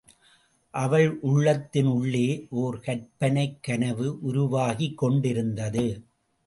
அவள் உள்ளத்தின் உள்ளே ஓர் கற்பனைகனவு உருவாகிக் கொண்டிருந்தது.